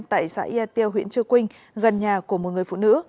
tại xã yateo huyện chưa quynh gần nhà của một người phụ nữ